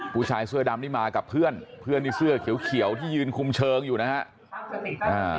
ผู้ชายเสื้อดำนี่มากับเพื่อนเพื่อนที่เสื้อเขียวที่ยืนคุมเชิงอยู่นะฮะ